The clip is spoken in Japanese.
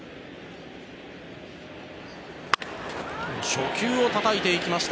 初球をたたいていきました。